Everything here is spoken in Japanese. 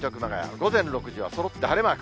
午前６時はそろって晴れマーク。